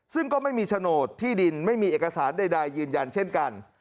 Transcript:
ซึ่งก็ไม่มีโฉนดที่ดินไม่มีเอกสารใดยืนยันเช่นกัน